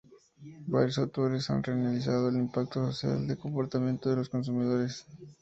Varios autores han analizado el impacto social del comportamiento de los consumidores.